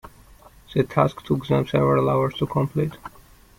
The task took them several hours to complete.